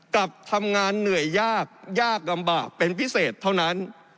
กับทำงานเหนื่อยยากยากลำบากเป็นพิเศษเท่านั้น